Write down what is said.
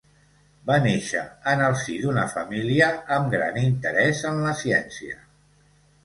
Va néixer en el si d'una família amb gran interès en la ciència.